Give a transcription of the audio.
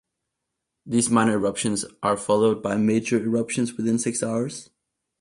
These minor eruptions are followed by major eruptions within six hours.